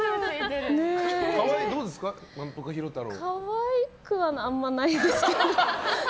可愛くはあんまないですけど。